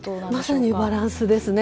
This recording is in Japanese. まさにバランスですね。